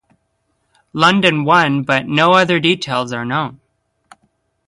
London won but no other details are known.